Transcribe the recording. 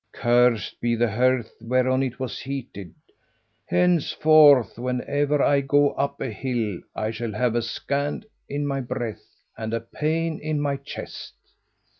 Cursed be the hearth whereon it was heated! Henceforth whenever I go up a hill, I shall have a scant in my breath and a pain in my chest."